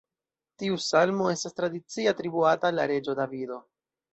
Tiu psalmo estas tradicie atribuata al reĝo Davido.